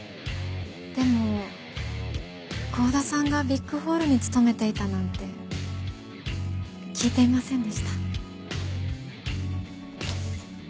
でも幸田さんがビッグホールに勤めていたなんて聞いていませんでした。